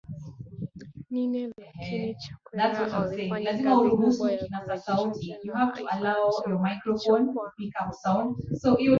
nne lakini Chakwera alifanya kazi kubwa ya kurejesha tena haiba ya chama hicho kwa